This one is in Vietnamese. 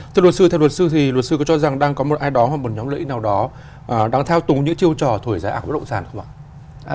thưa luật sư theo luật sư thì luật sư có cho rằng đang có một ai đó hoặc một nhóm lợi ích nào đó đang thao túng những chiêu trò thổi giá ảo bất động sản không ạ